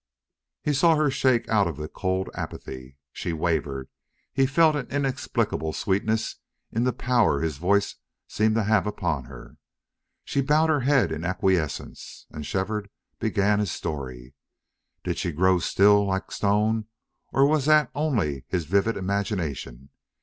He saw her shake out of the cold apathy. She wavered. He felt an inexplicable sweetness in the power his voice seemed to have upon her. She bowed her head in acquiescence. And Shefford began his story. Did she grow still, like stone, or was that only his vivid imagination?